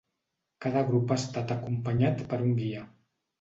Cada grup ha estat acompanyat per un guia.